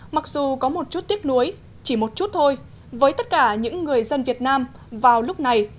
mặc dù có một chút tiếc nuối chỉ một chút thôi với tất cả những người dân việt nam vào lúc này